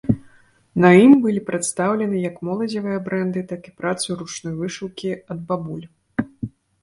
На ім былі прадстаўлены як моладзевыя брэнды, так і працы ручной вышыўкі ад бабуль.